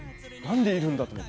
「何でいるんだ？」と思って。